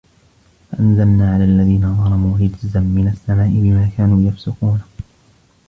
فَأَنْزَلْنَا عَلَى الَّذِينَ ظَلَمُوا رِجْزًا مِنَ السَّمَاءِ بِمَا كَانُوا يَفْسُقُونَ